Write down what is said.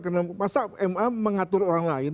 karena masa ma mengatur orang lain